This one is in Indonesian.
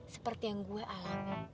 seperti yang gue alami